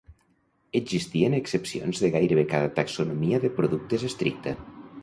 Existien excepcions de gairebé cada taxonomia de productes estricta.